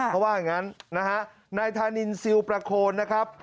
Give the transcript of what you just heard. เขาว่าอย่างนั้นนะฮะนายธานินซิลประโคนนะครับ